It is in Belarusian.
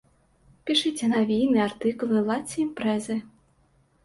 Пішыце навіны, артыкулы, ладзьце імпрэзы.